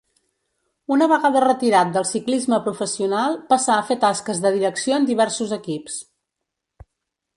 Una vegada retirat del ciclisme professional passà a fer tasques de direcció en diversos equips.